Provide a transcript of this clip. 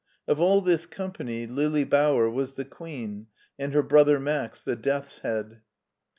Of all this company, Lili Bauer was the queen and her brother Max the death's head.